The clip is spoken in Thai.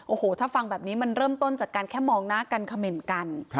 โอ้โหถ้าฟังแบบนี้มันเริ่มต้นจากการแค่มองหน้ากันเขม่นกัน